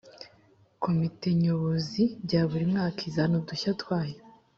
Komite Nyobozi bya buri mwaka izana udushya twayo